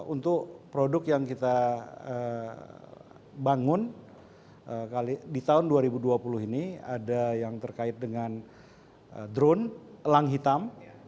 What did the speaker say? untuk produk yang kita bangun di tahun dua ribu dua puluh ini ada yang terkait dengan drone elang hitam